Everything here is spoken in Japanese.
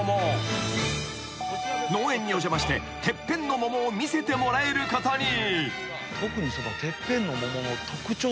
［農園にお邪魔しててっぺんの桃を見せてもらえることに］